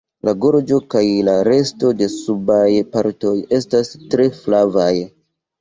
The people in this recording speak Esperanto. La gorĝo kaj la resto de subaj partoj estas tre flavaj.